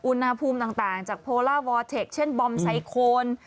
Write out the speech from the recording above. อุณหภูมิต่างจากโพล่าวอเทคเช่นบอมไซโคน